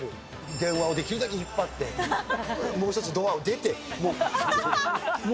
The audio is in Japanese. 電話をできるだけ引っ張って、もう１つドアを出て。